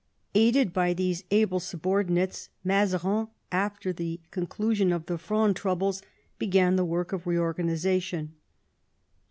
Aided by these able Buboi Mazarin, after the conclusion of the Fronde began the work of reorganisation.